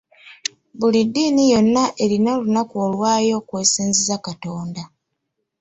Buli ddiini yonna erina olunaku olwayo kw'esinziza Katonda.